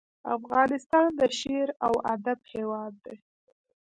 افغانستان د شعر او ادب هیواد دی